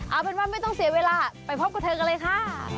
เอาเป็นว่าไม่ต้องเสียเวลาไปพบกับเธอกันเลยค่ะ